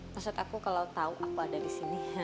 maksud aku kalau tau aku ada disini